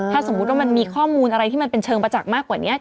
ถ้าสมมุติว่ามันมีข้อมูลอะไรที่มันเป็นเชิงประจักษ์มากกว่านี้